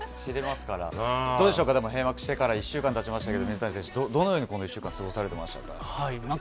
どうでしょうか閉幕してから１週間経ちましたが水谷選手、どのようにこの１週間過ごされてましたか？